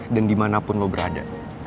dan dimanapun lo berada